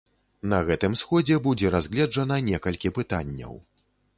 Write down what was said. На гэтым сходзе будзе разгледжана некалькі пытанняў.